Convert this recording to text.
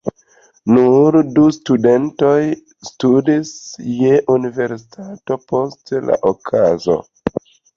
Nur du studentoj studis je universitato post la okazo.